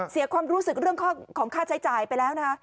เสียความรู้สึกเรื่องของค่าใช้จ่ายไปแล้วนะ